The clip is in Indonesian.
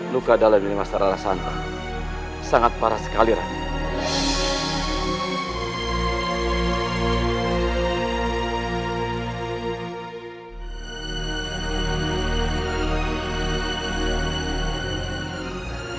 luka dalam ini mas rai rasantang sangat parah sekali raden